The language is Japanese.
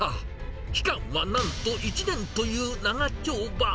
期間はなんと１年という長丁場。